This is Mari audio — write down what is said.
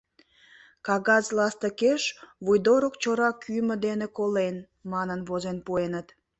Кагаз ластыкеш, «вуйдорык чора кӱмӧ дене колен» манын, возен пуэныт.